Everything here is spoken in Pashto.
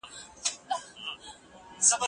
هیوادونه کله د بشري حقونو تړونونه مني؟